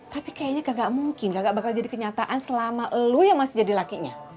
tapi kayaknya kagak mungkin kagak bakal jadi kenyataan selama lo yang masih jadi lakinya